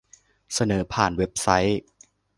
เสนอผ่านเว็บไซต์